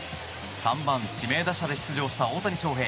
３番指名打者で出場した大谷翔平。